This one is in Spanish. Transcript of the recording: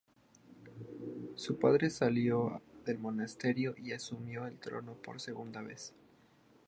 Su padre salió del monasterio y asumió el trono por segunda vez.